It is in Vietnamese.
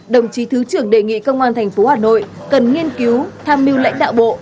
đồng chí thứ trưởng đề nghị công an tp hà nội cần nghiên cứu tham mưu lãnh đạo bộ